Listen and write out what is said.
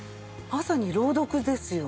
まさに朗読ですよ。